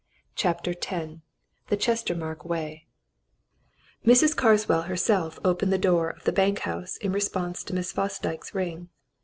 CHAPTER X THE CHESTERMARKE WAY Mrs. Carswell herself opened the door of the bank house in response to Miss Fosdyke's ring.